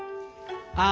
あ。